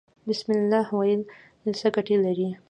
بسم الله ویل څه ګټه لري؟